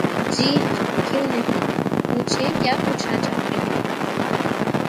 جی ہاں کیوں نہیں...پوچھیں کیا پوچھنا چاہتے ہیں؟